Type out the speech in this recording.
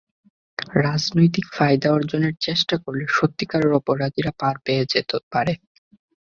রাজনৈতিক ফায়দা অর্জনের চেষ্টা করলে সত্যিকারের অপরাধীরা পার পেয়ে যেতে পারে।